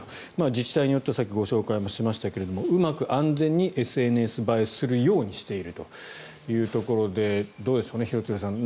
自治体によっては先ほどご紹介をしましたけれどもうまく安全にＳＮＳ映えするようにしているというところでどうでしょうね、廣津留さん